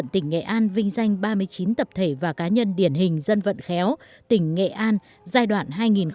tỉnh nghệ an vinh danh ba mươi chín tập thể và cá nhân điển hình dân vận khéo tỉnh nghệ an giai đoạn hai nghìn một mươi sáu hai nghìn hai mươi